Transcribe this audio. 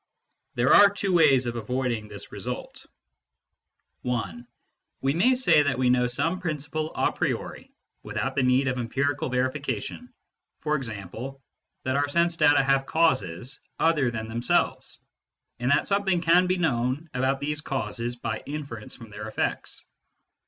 There are two ways of avoiding this result. (1) We may say that we know some principle a priori, without the need of empirical verification, e.g. that our sense data have causes other than themselves, and that something can be known about these causes by inference from their effects.